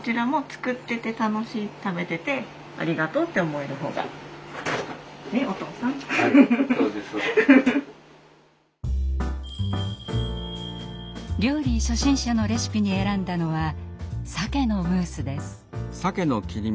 はいそうです。料理初心者のレシピに選んだのはさけのムースです。